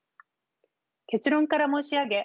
結論から申し上げ